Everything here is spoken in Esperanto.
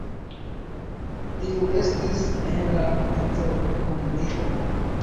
Tiu estis en la komenco kun Dio.